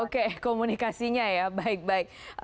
oke komunikasinya ya baik baik